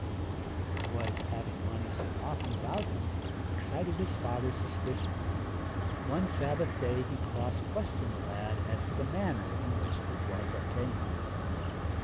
The boy's having money so often about him excited his father's suspicion, and one Sabbath day he cross questioned the lad as to the manner in which it was obtained.